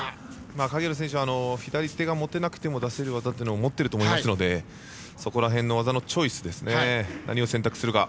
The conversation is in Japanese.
影浦選手は左手が持てなくても出せる技を持っていると思いますのでそこら辺の技のチョイスですね。